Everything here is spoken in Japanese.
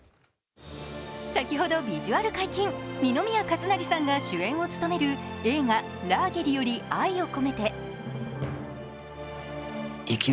先ほどビジュアル解禁、二宮和也さんが主演を務める映画「ラーゲリより愛を込めて」。